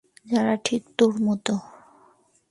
যারা ঠিক তোর মতো।